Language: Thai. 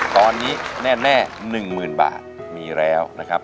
ตอนนี้แน่๑๐๐๐บาทมีแล้วนะครับ